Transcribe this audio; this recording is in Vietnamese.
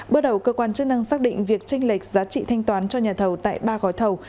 bước đầu cơ quan chức năng xác định việc tranh lệch giá trị thanh toán cho nhà thầu tại ba gói thầu